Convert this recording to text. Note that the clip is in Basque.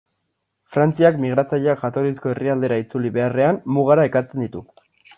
Frantziak migratzaileak jatorrizko herrialdera itzuli beharrean, mugara ekartzen ditu.